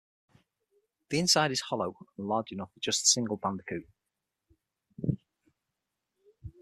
The inside is hollow and large enough for just the single bandicoot.